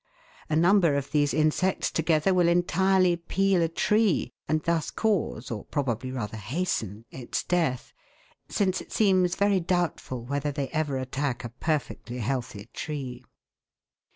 A number of these insects together will entirely peel a tree, and thus cause, or probably rather hasten, its death, since it seems very doubtful whether they ever attack a perfectly healthy tree.